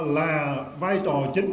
là vai trò chính